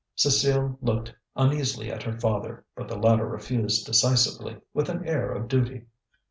Cécile looked uneasily at her father; but the latter refused decisively, with an air of duty.